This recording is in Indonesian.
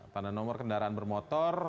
tanda nomor kendaraan bermotor